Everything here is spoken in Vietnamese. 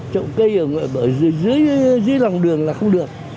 trộn cây ở dưới lòng đường là không được